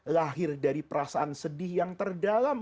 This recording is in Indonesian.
lahir dari perasaan sedih yang terdalam